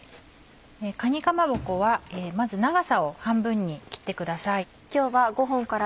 かにかまぼこはまず長さを半分に切ってください。